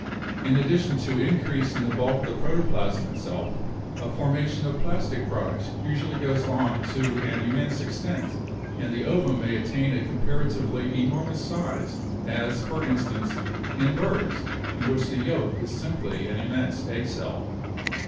In addition to increase in the bulk of the proto plasm itself, a formation of plastic products usually goes on to an immense extent and the ovum may attain a com paratively enormous size, as, for instance, in birds, in which the 'yolk' is simply an immense egg cell.